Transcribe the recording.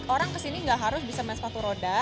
orang kesini gak harus bisa main sepatu roda